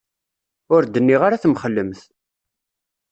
Ur d-nniɣ ara temxellemt.